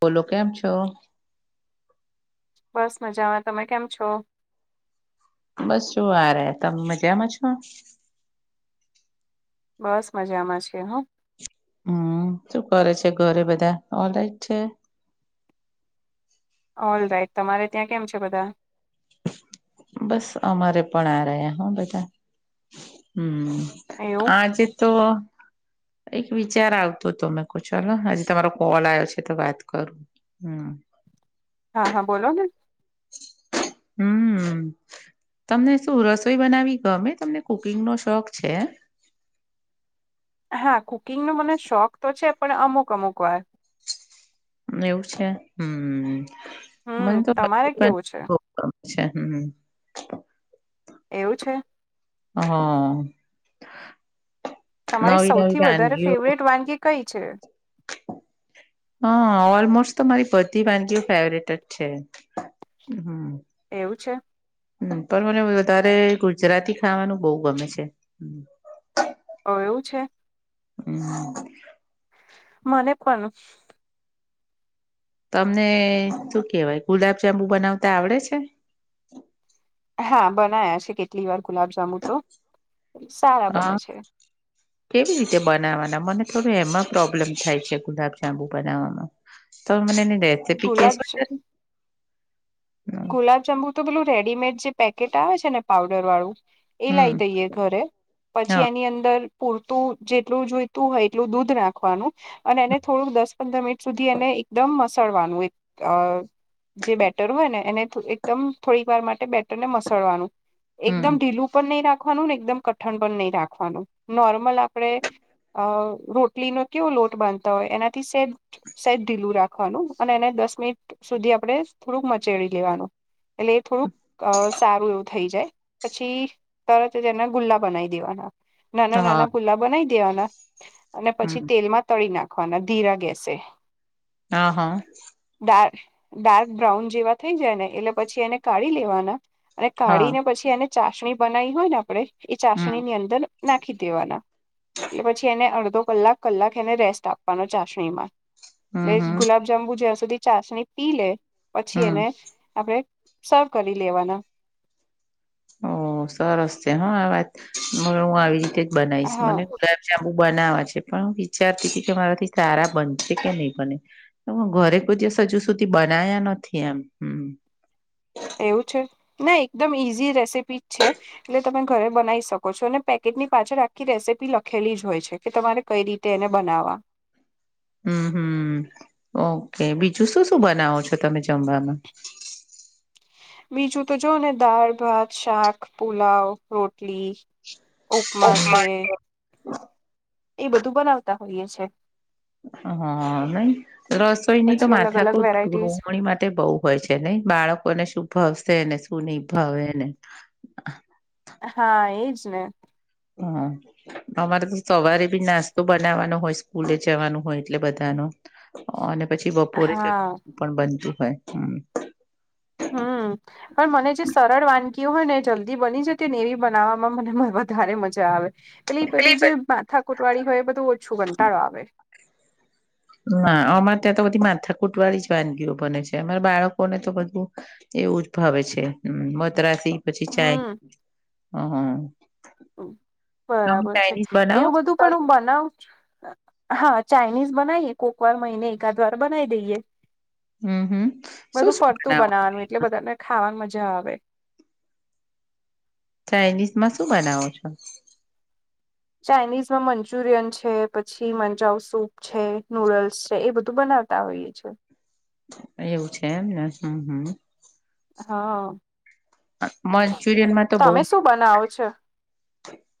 બોલો કેમ છો? બસ મજામાં. તમે કેમ છો? બસ શું આરે હે. તમે મજામાં છો? બસ મજામાં છે હો. હમ્મ શું કરે છે ઘરે બધા ઓલરાઈટ છે? ઓલરાઈટ તમારે ત્યાં કેમ છે બધા? બસ અમારે પણ હારા હે હો બધા હમ્મ. એવું આજે તો એક વિચાર આવતો તોમે કોહ ચાલો હજ તમારો કોલ આવ્યો છે તો વાત કરું. હા. હા હા બોલો ને. હમ્મ તમને શું રસોઈ બનાવી ગમે, તમને કુકિંગ નો શોખ છે? હા કુકિંગ નો મને શોખ તો છે પણ અમુક-અમુક વાર. એવું છે હમ હમ મને તો. તમારે કેવું છે? [inaudible] અચ્છા હમ. એવું છે. હા. [inaudible] તમારી સૌથી વધારે ફેવરેટ વાનગી કઈ છે. હા ઓલમોસ્ટ તો મારી બધી વાનગીઓ ફેવરેટ જ છે હમ. એવું છે. પણ મને વધારે ગુજરાતી ખાવાનું બહુ ગમે છે. [inaudible] ઓ એવું છે. હમ. [inaudible] મને પન. તમને શું કેવાય ગુલાબ જાાંબુ બનાવતા આવડે છે. હા બનાયા છે કેટલી વાર ગુલાબ જાંબુ [inaudible] તો સારા અ બને છે. કેવી રીતે બનાવવાના મને થોડું એમાં પ્રોબ્લેમ થાય છે ગુલાબ જાાંબુ બનાવવામાં. તમે મને એની રેસીપી ગુલાબ કેશો કે. ગુલાબજાંબુ તો પેલું રેડીમેડ જે પેકેટ આવે છે ને પાવડર વાળું એ લાઈ હમ દઈએ ઘરે પછી હ એની અંદર પૂરતું જેટલું જોઈતું હોય એટલું દૂધ રાખવાનું અને એને થોડુંક દસ-પંદર મિનિટ સુધી એને એકદમ મસડવાનું એક અહ જે બેટર હોય ને એને એકદમ થોડીક વાર માટે બેટર ને મસડવાનું એકદમ હમ ઢીલું પણ નહીં રાખવાનું ને એકદમ કઠણ પણ નહી રાખવાનું નોર્મલ આપણેે અ રો રોટલીનો કેવો લોટ બાંધતા હોય એનાથી સેજ સેજ ઢીલું રાખવાનું અને એને દસ મિનિટ સુધી આપણે થોડુંક મચેડી લેવાનું એટલે એ થોડુંક અ સારું એવું થઈ જાય પછી તરત જ એના ગુલ્લા બનાઈ દેવાના. નાના હા નાના ગુલ્લા બનાઇ દેવાના અને પછી હમ તેલમાં તળી નાખવાના ધીરા ગેસે. અ હ [inaudible] ડાર ડાર્ક બ્રાઉન જેવા થઈ જાય ને એટલે પછી એને કાઢી લેવાના. અને હા કાઢી ને પછી એને ચાસણી બનાઈ હોય ને આપણે એ હમ ચાસણી ની અંદર નાખી દેવાના. એટલે પછી એને અડધો કલાક કલાક એને રેસ્ટ આપવાનો ચાસણીમાં. હમ એ હમ ગુલાબ જાંબુ જ્યાં સુધી ચાસણી પી લે પછી હમ એને આપણે [inaudible] સર્વ કરી લેવાના ઓ સરસ છે હા આ વાત હ હું આવી રીતે જ બનાવીશ હા મને ગુલાબ જાંબુ બનાવા છે પણ હું વિચારતી હતી કે મારાથી સારા બનશે કે નહી બને્. હ ઘરે કોઈ દિવસ હજુ સુધી બનાયા નથી એમ હમ્મ એવું છે ના એકદમ ઈઝી રેસીપી જ છે. એટલે તમે ઘરે બનાઇ શકો છો અને પેકેટની પાછળ આખી રેસીપી લખેલી જ હોય કે તમારે કઈ રીતે એને બનાવવા. ઉમહ ઓકે બીજું શું શું બનાવો છો તમે જમવામાં બીજું તો જો ને દાળ ભાત શાક પુલાવ રોટલી ઉપમા છે. એ બધું બનાવતા હોઈએ છે. હા નહી રસોઈની તો પછી અલગ અલગ માથાકૂટ વેરાયટીઝ ગૃહણી માટે બઉ હોય છે નહી બાળકોને શું ભાવશે ને શું નહી ભાવેને. હા એજ ને. હમ્મ. અમારે તો સવારે બી નાસ્તો બનાવાનો હોય સ્કૂલે જવાનો હોય એટલે બધાનો. અને પછી બપોરે જ હા [inaudible] પણ બનતું હોય, હમ્મ. હમ્મ. પણ મને જે સરળ વાનગીઓ હોય ને જલ્દી બની જતી હોય ને એવી બનાવવામાં મને વધારે મજા આવે. પેલી બધી જે માથાકૂટ વાળી હોય એ બધું ઓછું કંટાળો આવે. ના અમારે ત્યાં તો બધી માથા કૂટવાળી જ વાનગીઓ બને છે. અમારા બાળકોને તો બધું એવું જ ભાવે છે, હમ્મ, મદ્રાસી પછી ચાય, હમ હમ્મ. બરાબર છે, એવું છો બધું પણ ઘરે હું બનાવુ જ. હા ચાઇનીઝ બનાવીએ કોક વાર મહિને એકાદ વાર બનાવી દઈએ. હમ હમ શું બધું શું ફરતું બનાવો બનાવાનું એટલે બધાને ખાવાની મજા આવે. ચાઇનીઝ માં શું બનાવો છો? ચાઇનીઝમાં મંચુરિયન છે પછી મંજાવ સૂપ છે, નૂડલ્સ છે એ બધું બનાવતા હોઈએ છે. એવું છે એમને, હમ્મ, હમ્મ. હા. મંચુરિયન માં તો તમે બહું શું બનાવો છો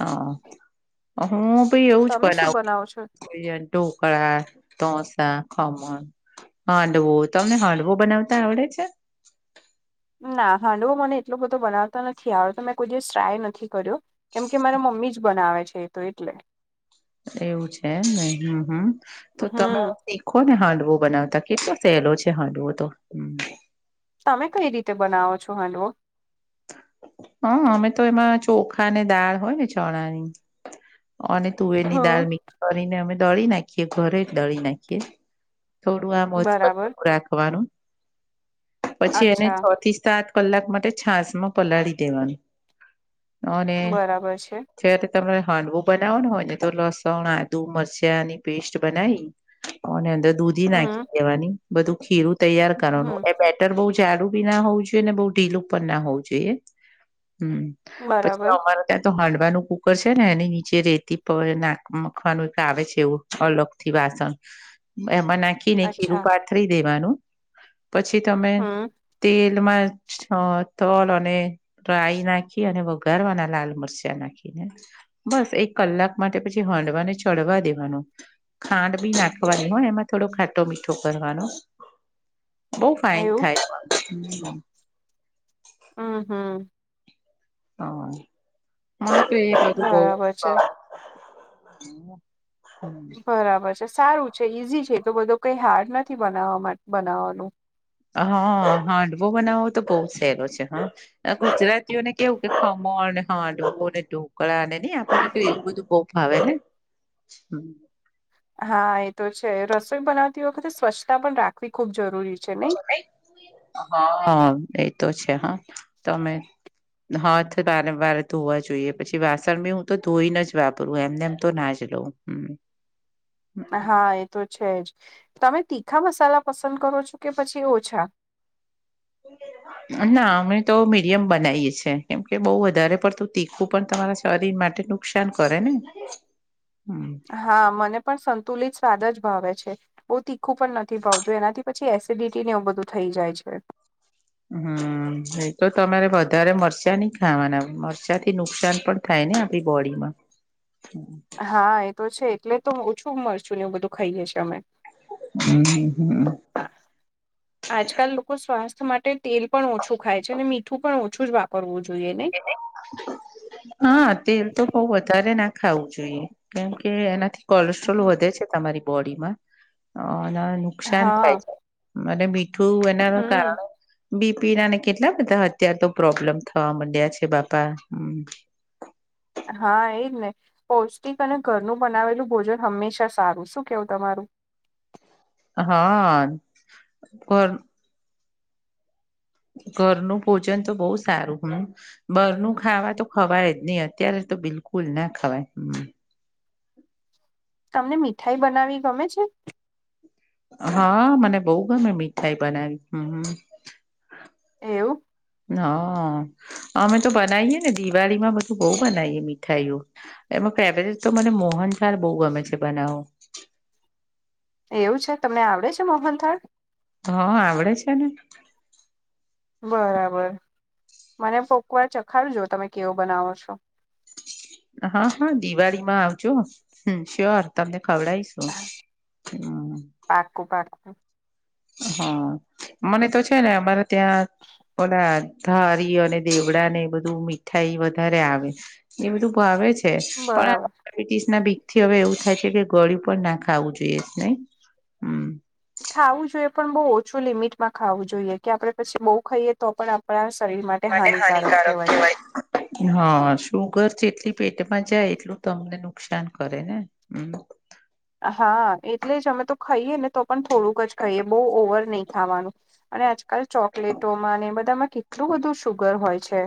હ, હું ભી એવું જ તમે શું બનાવું. બનાવો છો કોઈ વાર ધોકળા, ઢોસા, ખમણ. હાંડવો, તમને હાંડવો બનાવતા આવડે છે? ના હાંડવો મને એટલો બધો બનાવતા નથી આવડતો મેં કોઈ દિવસ ટ્રાય નથી કર્યો. કેમ કે મારા મમ્મી જ બનાવે છે એ તો એટલે. એવું છે એમ ને, હમ્મ હમ્મ, તો તમે હમ શીખ કોને હાન્ડવો બનાવતા કેટલો સહેલો છે હાન્ડવો તો. તમે કઈ રીતે બનાવો છો હાન્ડવો? હ અમે તો એમાં ચોખા ને દાળ હોય ને ચણાની અને તુવેરની દાળ હમ મિકસ કરીને અમે દળી નાખીએ ઘરે જ દળી નાખીએ. થોડું આ મોટુ બરાબર રાખવાનું પછી એને છ અચ્છા થી સાત કલાક માટે છાસ માં પલાળી દેવાનું અને બરાબર છે જયારે તમારે હાન્ડવો બનાવવાનું હોય ને તો લસણ, આદુ, મરચાની પેસ્ટ બનાવી અંદર દૂધી હમ નાખી દેવાની બધું ખીરું તૈયાર હમ કરવાનું એ બેટ બહુ જાડું બી ના હોવું જોઈએ ને બહુ ઢીલું પણ ના હોવું જોઈએ, હમ્મ. પછી બરાબર અમારે ત્યાં તો હાડવાનું કુકર છે ને એની જે રેતી પર નાખવાનુ મુકવાનું એક આવે છે એવું અલગથી વાસણ. એમાં નાખીને ખીરૂ અચ્છા પાથરી દેવાનું પછી તમે હમ તેલમાં તલ અને રાઈ નાખી અને વઘારવાના લાલ મરચાં નાખીને. બસ એક કલાક માટે પછી હાંડવાને ચડવા દેવાનું. ખાન્ડ બી નાખવાની હો એમાં થોડો ખાટો મીઠો કરવાનો. બઉ ફાઈન એવું થાય પણ. અ હ. [inaudible] બરાબર છે [inaudible] બરાબર છે સારૂ છે ઈઝી છે એટલો બધો કંઈ હાડ નથી બનાવામાં બનાવાનો હા હાંડવો બનાવવો તો બહુ સહેલો છે હા આ ગુજરાતીઓને કેવું કે ખમણ ને હાડવો ને ઢોકળાનેઈ આપડે એવું બધું બઉ આવે ને હા એ તો છે રસોઈ બનાવતી વખતે સ્વચ્છતા પણ રાખવી ખૂબ જરૂરી છે નહી હા એ તો છે હ તમે હાથ વારંવાર ધોવા જોઈએ પછી વાસણ બી હું તો ધોઈને જ વાપરું એમનેમ તો નાજ લઉં હમ હા એ તો છે જ તમે તીખા મસાલા પસંદ કરો છો કે પછી ઓછા ના અમે તો મીડિયમ બનાઈએ છીએ કેમ કે બઉ વધારે તીખું પણ તમારા શરીર માટેનું નુકસાન કરે ને હમ હા મને પણ સંતુલિત સ્વાદ જ ભાવે છે બઉ તીખું પણ નથી ભાવતું એનાથી પછી એસિડિટીને એવું બધું થઈ જાય છે હમ એ તો તમારે વધારે મરચાં નહી ખાવાના મરચા થી નુકસાન પણ થાય ને આપડી બોડીમાં હા એ તો છે એટલે તો ઓછું મરચુ ને એવું બધું ખાઈએ છે અમે હમ હમ હા આજકાલ લોકો સ્વાસ્થ્ય માટે તેલ પણ ઓછું ખાય છે અને મીઠું પણ ઓછું જ વાપરવું જોઈએ ને [inaudible] હા તેલ તો બઉ વધારે ના ખાવું જોઈએ કેમ કે એનાથી કોલેસ્ટ્રોલ વધે છે તમારી બોડીમાં અને નુકસાન થાય હા છે અને મીઠું એના હમ કારણો બીપીનાને કેટલા બધા અત્યાર તો પ્રોબ્લેમ થવા મંડ્યા છે બાપા હા એજ ને પૌષ્ટિક અને ઘરનું બનાવેલું ભોજન હંમેશા સારું શું કેવું તમારું? હા ઘર ઘરનું ભોજન તો બહુ સારું હમ બારનું ખાવા તો ખવાય જ નહી અત્યારે તો બિલકુલ ના ખવાય હમ તમને મીઠાઈ બનાવવી ગમે છે? હા મને બહુ ગમે મીઠાઈ બનાવવી હમ એવું? હા અમે તો બનાવીએ ને દિવાળીમાં બધું બહુ બનાવીએ મીઠાઈઓ એમાં ફેવરિટ તો મને મોહનથાળ બહુ ગમે છે બનાવવો એવું છે તમને આવડે છે મોહનથાળ? હા આવડે છે ને! બરાબર મને કોકવાર ચખાડજો તમે કેવો બનાવો છો હા હા દિવાળીમાં આવજો હ શ્યોર તમને ખવડાઈશ. [inaudible] પાકું પાકું હા મને તો છે ને અમારે ત્યાં ઓલા ધારી અને દેવડાને એ બધું મીઠાઈ વધારે આવે, એ બધું ભાવે છે. [inaudible] બરાબર [unintelligible] ના બીકથી હવે એવું થાય છે કે ગળ્યું પણ ના ખાવું જોઈએ નહી. હમ ખાવું જોઈએ પણ બહુ ઓછું લિમિટમાં ખાવું જોઈએ કે, આપણેે પછી બહુ ખાઈએ તો પણ આપણા શરીર માટે. માટે હાનિકારક કહેવાય. હા સુુગર જેટલી પેટમાં જાય એટલું તમને નુકસાન કરે ને! [inaudible] હા એટલે જ અમે તો ખાઈએ ને તો પણ થોડુંક જ ખાઈએ બહુ ઓવર નહી ખાવાનું. અને આજકાલ ચોકલેટોમાં ને એ બધામાં કેટલું બધું સુુગર હોય છે!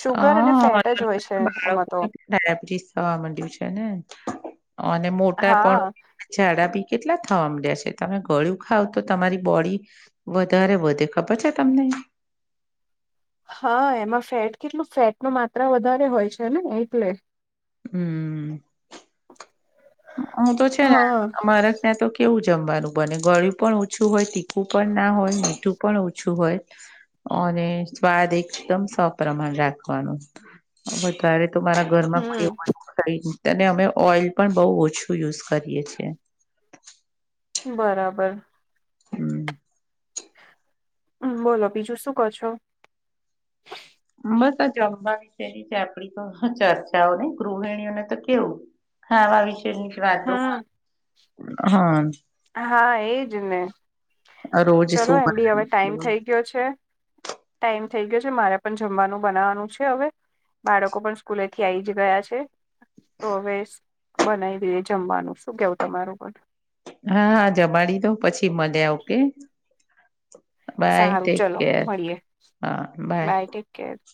સુુગર અને હા ફેટ જ હોય છે એમાં તો. બાળકોને ડાયાબિટીસ થવા માંડ્યું છે ને અને મોટા પણ. હા જાડાબી કેટલા થવા માંડયા છે. તમે ગળ્યું ખાવ તો તમારી બોડી. વધારે વધે ખબર છે તમને? હા એમાં ફેટ કેટલું ફેટની માત્રા વધારે હોય છે ને એટલે. હમ. [inaudible] હું તો છે ને હા અમારે. અહીંયાં તો કેવું જમવાનું બને ગળ્યું પણ ઓછું હોય, તીખું પણ ના હોય, મીઠું પણ ઓછું હોય. અને સ્વાદ એકદમ સપ્રમાણ રાખવાનો વધારે તો મારા. ઘરમાં હમ [unintelligible] અને અમે ઓઈલ પણ બહુ ઓછું યુઝ કરીએ છીએ. બરાબર. હમ. હમ બોલો બીજું શું કહો છો? બસ આ જમવા વિશેની જ આપણી તો ચર્ચાઓ નહી ગૃહિણીઓને તો કેવું! હા આવા વિષયોની જ વાતો હમ હોય. હા એજ ને, રોજ ચલો શું એમ બી હવે ટાઈમ બને. થઈ ગયો છે. ટાઈમ થઈ ગયો છે. મારે પણ જમવાનું બનાવવાનું છે હવે. બાળકો પણ સ્કૂલેથી આવી જ ગયા છે. તો હવે બનાવી દઈએ જમવાનું શું કેવું તમારું પણ. હા હા જમાડી દો પછી મળ્યા ઓકે. બાય સારું ટેક ચલો કેર મળીએ હા બાય. [inaudible]